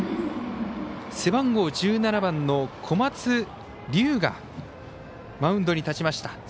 背番号１７番の小松龍生がマウンドに立ちました。